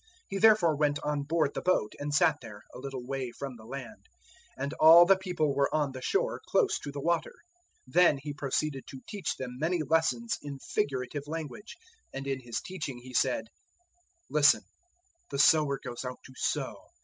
He therefore went on board the boat and sat there, a little way from the land; and all the people were on the shore close to the water. 004:002 Then He proceeded to teach them many lessons in figurative language; and in His teaching He said, 004:003 "Listen: the sower goes out to sow.